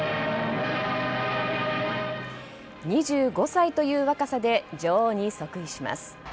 ２５歳という若さで女王に即位します。